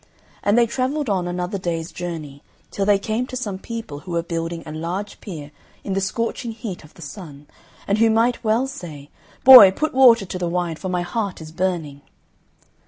And they travelled on another day's journey, till they came to some people who were building a large pier in the scorching heat of the sun, and who might well say, "Boy, put water to the wine, for my heart is burning."